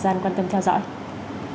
hẹn gặp lại các em trong những video tiếp theo